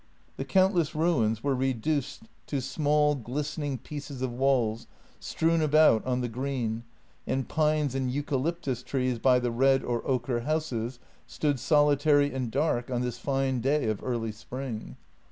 The countless ruins were reduced 8o JENNY to small, glistening pieces of walls, strewn about on the green, and pines and eucalyptus trees by the red or ochre houses stood solitary and dark on this fine day of early spring.